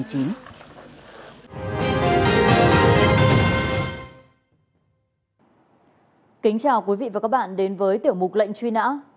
kính chào quý vị và các bạn đến với tiểu mục lệnh truy nã